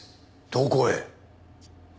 どこへ？